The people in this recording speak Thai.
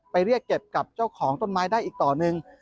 เรียกเก็บกับเจ้าของต้นไม้ได้อีกต่อหนึ่ง